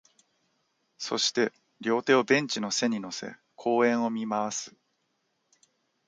そして、両手をベンチの背に乗せ、公園を見回す